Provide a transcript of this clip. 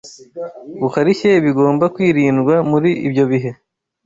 Gukarishye bigomba kwirindwa muri ibyo bihe.